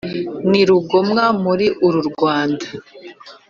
ni rugomwa muri uru rwanda,